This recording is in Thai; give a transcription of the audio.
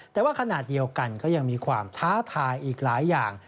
แต่ว่าขณะเดียวกันก็ยังมีความท้าทายอีกหลายอย่าง